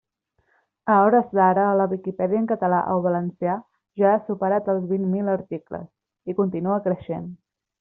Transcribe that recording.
A hores d'ara la Viquipèdia en català o valencià, ja ha superat els vint mil articles, i continua creixent.